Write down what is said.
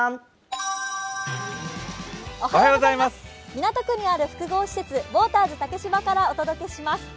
港区にある複合施設、ウォーターズ竹芝からお届けします。